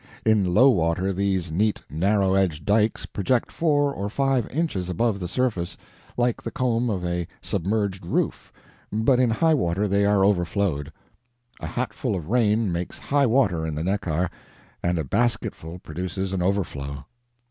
In low water these neat narrow edged dikes project four or five inches above the surface, like the comb of a submerged roof, but in high water they are overflowed. A hatful of rain makes high water in the Neckar, and a basketful produces an overflow.